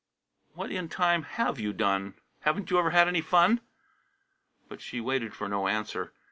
"What in time have you done? Haven't you ever had any fun?" But she waited for no answer.